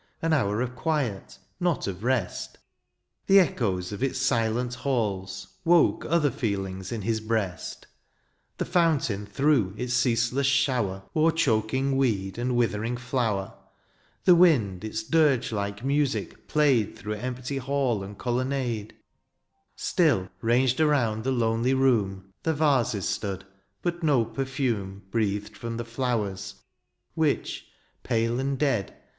An hour of quiet, not of rest ; The echoes of its silent halls ^^i*» THE AREOPAGITE. 59 Woke other feelings in his breast. The fountain threw its ceasless shower CHer choking weed and withering flower ; The wind its dirge like music played Through empty hall and colonnade ; Still, ranged around the lonely room^ The vases stood, but no perfume Breathed from the flowers, which, pale and dead.